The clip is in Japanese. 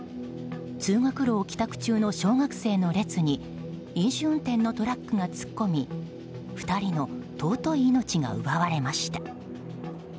通学路を帰宅中の小学生の列に飲酒運転のトラックが突っ込み２人の尊い命が奪われました。